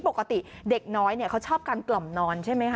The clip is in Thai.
ปกติเด็กน้อยเขาชอบการกล่อมนอนใช่ไหมคะ